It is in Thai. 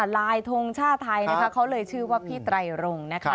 ลายทงชาติไทยเขาเลยชื่อว่าพี่ไตรง